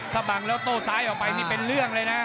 ถ้าบังแล้วโต้ซ้ายออกไปนี่เป็นเรื่องเลยนะ